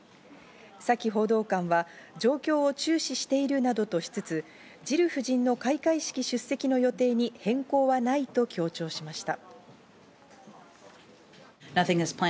サキ報道官は状況を注視しているなどとしつつジル夫人の開会式出席の予定に変更はないと強調しました。